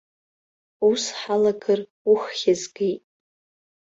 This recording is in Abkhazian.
Ус ҳалагар, уххь згеит.